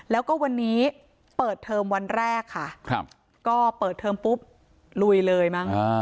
แล้วก็วันนี้เปิดเทอมวันแรกค่ะก็เปิดเทอมปุ๊บลุยเลยมั้ง